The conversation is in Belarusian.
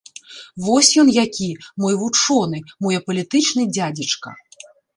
Вось ён які, мой вучоны, мой апалітычны дзядзечка!